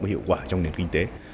có hiệu quả trong nền kinh tế